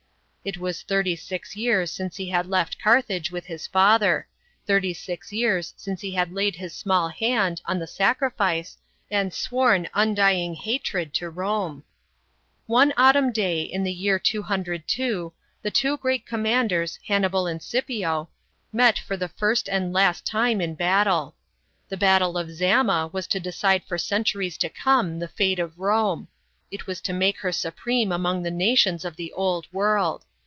It was thirty six years since he had left Carthage with his father, thirty six years since he had laid his small hand, on the sacrifice, and sworn undying hatred to Rome. One autumn day in the year 202, the two great commanders, Hannibal and Scipio, met for the first and last time in battle. The battle of Zama was to decide for centuries to come, the fate of Rome it was to make her supreme among the nations of the Old World.